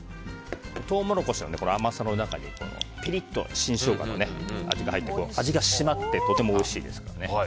トウモロコシの甘さの中にピリッと新ショウガの味が入って、味が締まってとてもおいしいですからね。